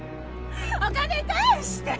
お金返して！